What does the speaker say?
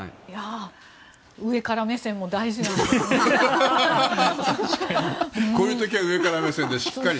上から目線も大事なんだなと。